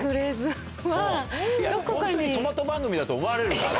ホントにトマト番組だと思われるから。